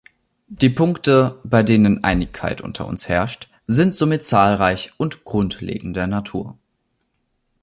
Die Punkte, bei denen Einigkeit unter uns herrscht, sind somit zahlreich und grundlegender Natur.